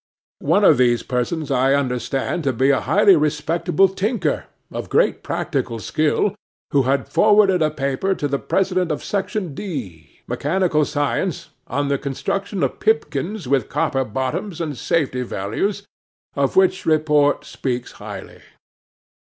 One of these persons I understand to be a highly respectable tinker, of great practical skill, who had forwarded a paper to the President of Section D. Mechanical Science, on the construction of pipkins with copper bottoms and safety values, of which report speaks highly.